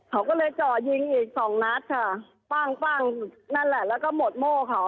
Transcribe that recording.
เขาก็เลยเจาะยิงอีกสองนัดค่ะปั้งปั้งนั่นแหละแล้วก็หมดโม่เขา